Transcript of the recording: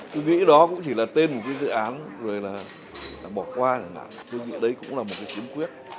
tôi nghĩ đó cũng chỉ là tên một cái dự án rồi là bỏ qua rồi nào tôi nghĩ đấy cũng là một cái chiến quyết